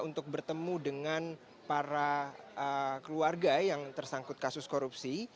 untuk bertemu dengan para keluarga yang tersangkut kasus korupsi